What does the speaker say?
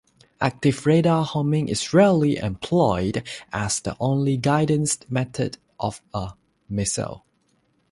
Active radar homing is rarely employed as the only guidance method of a missile.